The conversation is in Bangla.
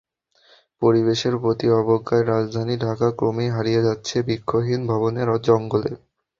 পরিবেশের প্রতি অবজ্ঞায় রাজধানী ঢাকা ক্রমেই হারিয়ে যাচ্ছে বৃক্ষহীন ভবনের জঙ্গলে।